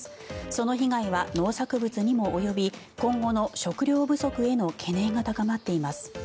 その被害は農作物にも及び今後の食料不足への懸念が高まっています。